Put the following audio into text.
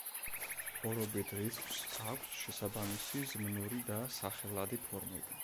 ორობით რიცხვს აქვს შესაბამისი ზმნური და სახელადი ფორმები.